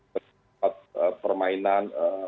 di tempat permainan